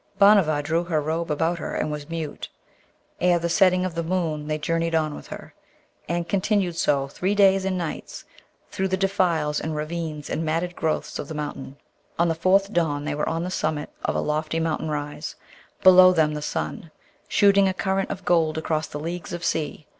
Bhanavar drew her robe about her and was mute. Ere the setting of the moon they journeyed on with her; and continued so three days and nights through the defiles and ravines and matted growths of the mountains. On the fourth dawn they were on the summit of a lofty mountain rise; below them the sun, shooting a current of gold across leagues of sea.